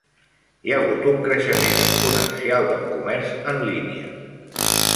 Hi ha hagut un creixement exponencial del comerç en línia.